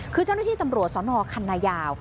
คือเจ้าหน้าที่จังหลวงศาลนอขันนายาว